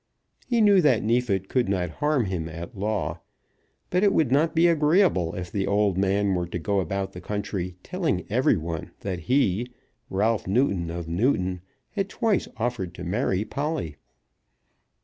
He knew that Neefit could not harm him at law; but it would not be agreeable if the old man were to go about the country telling everyone that he, Ralph Newton of Newton, had twice offered to marry Polly.